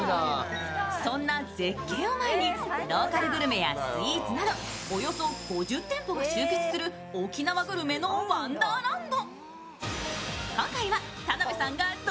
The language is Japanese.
そんな絶景を前に、ローカルグルメやスイーツなどおよそ５０店舗が集結する沖縄グルメのワンダーランド。